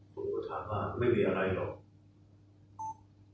ผมก็ถามว่าไม่มีอะไรหรอก